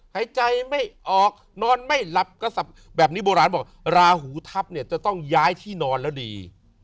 หายใจไม่ออกนอนไม่หลับกระสับแบบนี้โบราณบอกราหูทัพเนี่ยจะต้องย้ายที่นอนแล้วดี